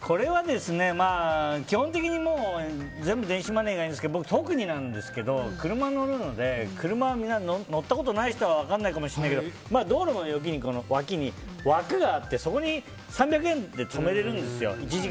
これは、基本的に全部電子マネーがいいんですが僕、特になんですけど車に乗るので車みんな乗ったことない人は分からないかもしれないけど道路の脇に枠があってそこに１時間３００円で止めれるんですよ。